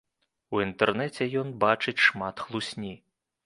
У інтэрнэце ён бачыць шмат хлусні.